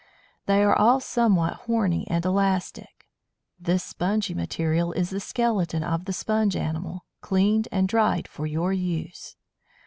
They are all somewhat horny and elastic. This "spongy" material is the skeleton of the Sponge animal, cleaned and dried for your use.